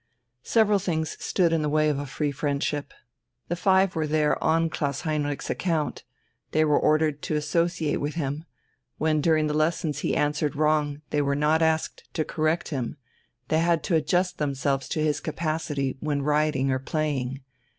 Several things stood in the way of a free friendship. The five were there on Klaus Heinrich's account, they were ordered to associate with him; when during the lessons he answered wrong they were not asked to correct him, they had to adjust themselves to his capacity when riding or playing.